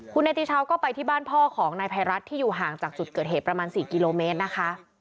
คุณเนติชาวก็ไปที่บ้านพ่อของนายภัยรัฐที่อยู่ห่างจากจุดเกิดเหตุประมาณ๔กิโลเมตรนะคะ